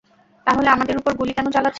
তাহলে আমাদের উপর গুলি কেন চালাচ্ছেন?